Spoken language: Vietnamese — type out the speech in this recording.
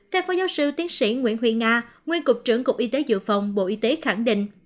các phó giáo sư tiến sĩ nguyễn huyền nga nguyên cục trưởng cục y tế dự phòng bộ y tế khẳng định